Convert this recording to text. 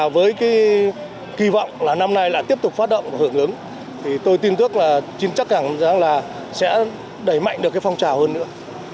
với cái kỳ vọng là năm nay là tiếp tục phát động hưởng ứng thì tôi tin tức là chắc chắn là sẽ đẩy mạnh được cái phong trào hơn nữa